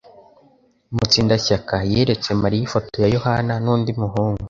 Mutsindashyaka yeretse Mariya ifoto ya Yohana nundi muhungu